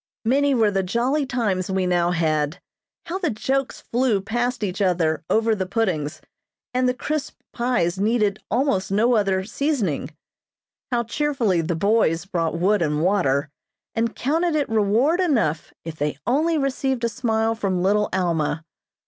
Many were the jolly times we now had. How the jokes flew past each other over the puddings, and the crisp pies needed almost no other seasoning. How cheerfully "the boys" brought wood and water and counted it reward enough if they only received a smile from little Alma.